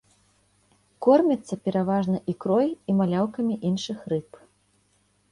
Корміцца пераважна ікрой і маляўкамі іншых рыб.